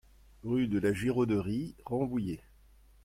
Rue de la Giroderie, Rambouillet